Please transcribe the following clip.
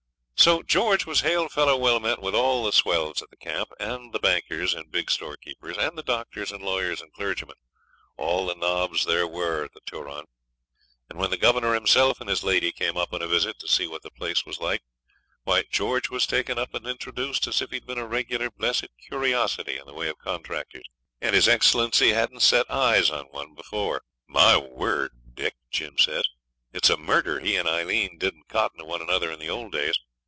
So George was hail fellow well met with all the swells at the camp, and the bankers and big storekeepers, and the doctors and lawyers and clergymen, all the nobs there were at the Turon; and when the Governor himself and his lady came up on a visit to see what the place was like, why George was taken up and introduced as if he'd been a regular blessed curiosity in the way of contractors, and his Excellency hadn't set eyes on one before. 'My word! Dick,' Jim says, 'it's a murder he and Aileen didn't cotton to one another in the old days.